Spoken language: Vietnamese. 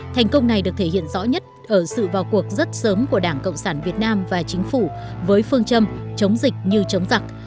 thành công này được thể hiện rõ nhất ở sự vào cuộc rất sớm của đảng cộng sản việt nam và chính phủ với phương châm chống dịch như chống giặc